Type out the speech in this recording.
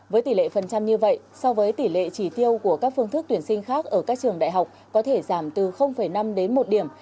với tỷ lệ phần trăm như vậy so với tỷ lệ chỉ tiêu của các phương thức tuyển sinh khác ở các trường đại học có thể giảm từ năm đến một điểm